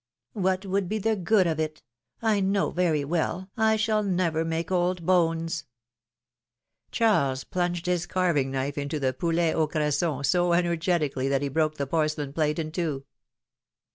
^^ What would be the good of it ? I know very well I shall never make old bones ! Charles plunged his carving knife into the poulet aii cressoUy so energetically that he broke the porcelain plate in two.